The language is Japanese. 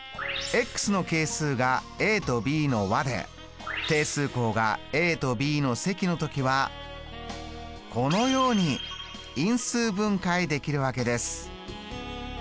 の係数がとｂの和で定数項がとｂの積の時はこのように因数分解できるわけです。